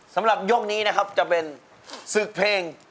สำหรับยกนี้นะครับจะเป็นศึกเพลง